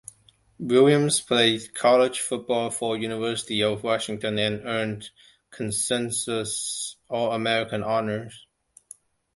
Williams played college football for the University of Washington, and earned consensus All-American honors.